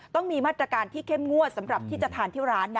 ต้องมีมาตรการที่เข้มงวดสำหรับที่จะทานที่ร้าน